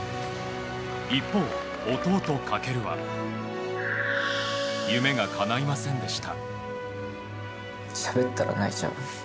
一方、弟・翔は夢がかないませんでした。